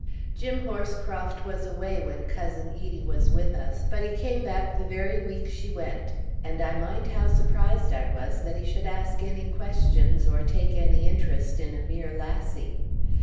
Jim Horscroft was away when Cousin Edie was with us, but he came back the very week she went; and I mind how surprised I was that he should ask any questions or take any interest in a mere lassie.